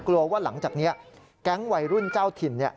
กลัวว่าหลังจากนี้แก๊งวัยรุ่นเจ้าถิ่น